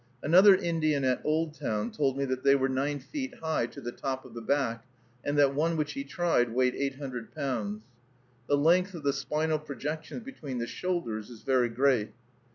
Another Indian, at Oldtown, told me that they were nine feet high to the top of the back, and that one which he tried weighed eight hundred pounds. The length of the spinal projections between the shoulders is very great.